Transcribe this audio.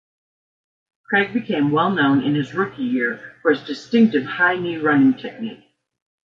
Craig became well known in his rookie year for his distinctive high-knee running technique.